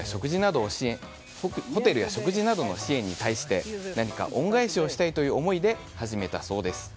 ホテルや食事などの支援に対して何か恩返しをしたいという思いで始めたそうです。